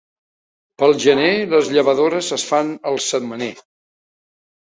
Pel gener les llevadores es fan el setmaner.